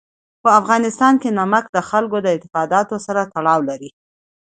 په افغانستان کې نمک د خلکو د اعتقاداتو سره تړاو لري.